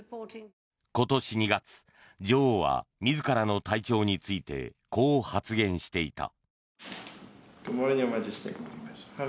今年２月、女王は自らの体調についてこう発言していた。